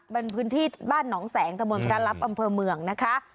เป็นพื้นที่บ้านหนองแสงตะมนต์พระรับอำเภอเมืองนะคะ